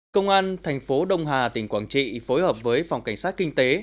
công an tp đông hà tỉnh quảng trị phối hợp với phòng cảnh sát kinh tế